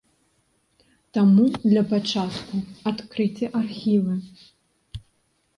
Таму, для пачатку, адкрыйце архівы!